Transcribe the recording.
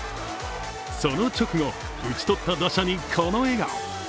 その直後打ち取った打者にこの笑顔。